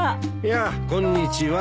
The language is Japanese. やあこんにちは。